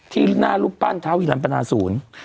ที่หน้ารูปปั้นท้าวิรัมปนาศูนย์